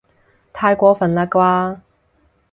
太過分喇啩